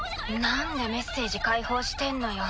なんでメッセージ開放してんのよ。